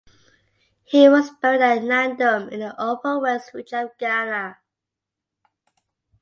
He was buried at Nandom in the Upper West Region of Ghana.